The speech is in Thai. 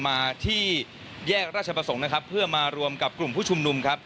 มาที่แยกราชประสงค์เพื่อมารวมกับกลุ่มผู้ชุมนุม